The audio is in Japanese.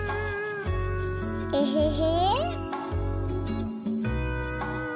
エヘヘ。